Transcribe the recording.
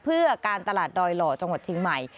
เพื่อการตลาดดอยหล่อจังหวัดเชียงใหม่